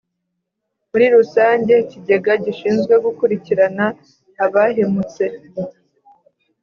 Muri rusange Ikigega gishinzwe gukurikirana abahemutse.